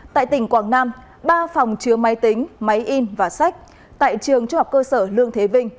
tại tỉnh quảng nam ba phòng chứa máy tính máy in và sách tại trường trung học cơ sở lương thế vinh